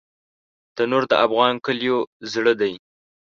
تنور د افغان کلیو زړه دی